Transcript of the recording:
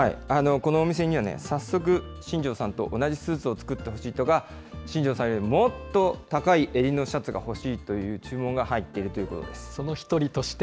このお店には、早速、新庄さんと同じスーツを作ってほしい人が、新庄さんよりもっと高い襟のシャツが欲しいという注文が入っその一人として？